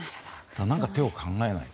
何か手を考えないと。